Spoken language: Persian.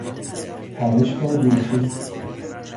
پرش با دورخیز